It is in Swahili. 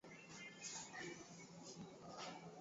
ilianza kazi mwaka elfu moja mia tisa sitini na sita